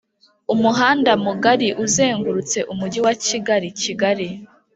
Umuhanda mugari uzengurutse umujyi wa kigali kigali